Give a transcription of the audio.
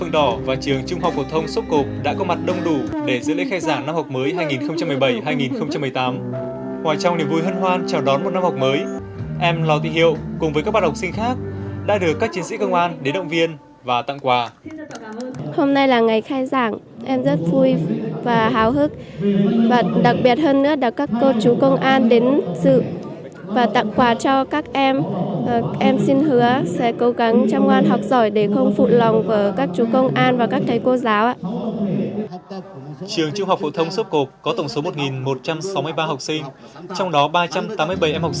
trường trung học phổ thông xốp cột có tổng số một một trăm sáu mươi ba học sinh trong đó ba trăm tám mươi bảy em học sinh thuộc gia đình hồ nghèo